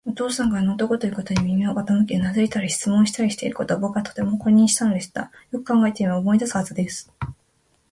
お父さんがあの男のいうことに耳を傾け、うなずいたり、質問したりしていることを、ぼくはとても誇りにしたのでした。よく考えてみれば、思い出すはずです。